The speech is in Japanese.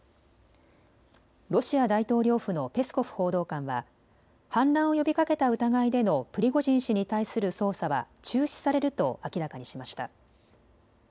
ロシア大統領府のペスコフ報道官は反乱を呼びかけた疑いでのプリゴジン氏に対する捜査は中止されると明らかにしました。